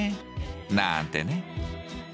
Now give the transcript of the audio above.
なんてね。